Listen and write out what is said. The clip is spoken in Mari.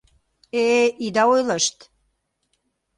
Э, ида ойлышт!